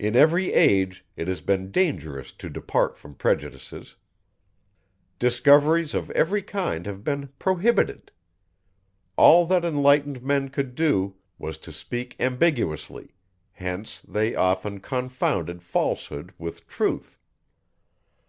In every age, it has been dangerous to depart from prejudices. Discoveries of every kind have been prohibited. All that enlightened men could do, was to speak ambiguously, hence they often confounded falsehood with truth.